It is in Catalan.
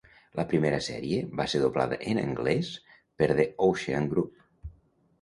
La primera sèrie va ser doblada en anglès per The Ocean Group.